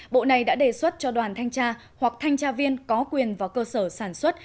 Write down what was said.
bộ này đã đề xuất cho đoàn thanh tra hoặc thanh tra viên có quyền vào cơ sở sản xuất